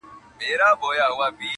وايي تبلیغ دی د کافرانو--!